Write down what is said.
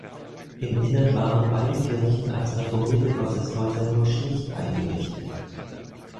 Im Innern waren beide Kirchen als reformierte Gotteshäuser nur schlicht eingerichtet.